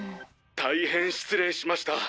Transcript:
大変失礼しました。